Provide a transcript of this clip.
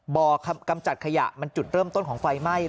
กำจัดขยะมันจุดเริ่มต้นของไฟไหม้